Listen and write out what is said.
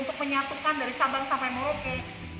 untuk menyatukan dari sabang sampai merauke